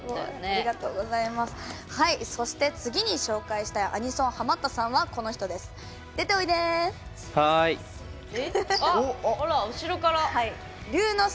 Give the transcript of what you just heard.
そして、次に紹介したいアニソンハマったさんはこの人です。